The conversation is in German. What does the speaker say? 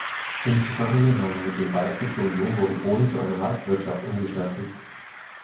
Im Zusammenhang mit dem Beitritt zur Union wurde Polen zu einer Marktwirtschaft umgestaltet.